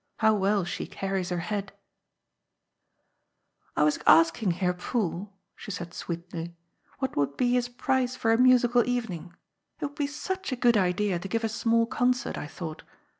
How well she carries her head !" "I was asking Herr Pfuhl," she said sweetly, "what would be his price for a musical evening. It would be such a good idea to give a small concert, I thought.